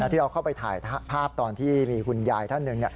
ที่เราเข้าไปถ่ายภาพตอนที่มีคุณยายท่านหนึ่ง